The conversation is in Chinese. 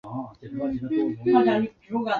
县莅位于东兴市镇。